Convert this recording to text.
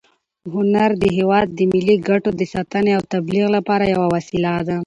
هنر د هېواد د ملي ګټو د ساتنې او تبلیغ لپاره یوه وسیله ده.